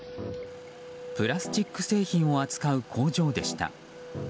プラスチック製品を扱う工場でした。